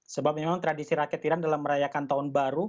sebab memang tradisi rakyat iran dalam merayakan tahun baru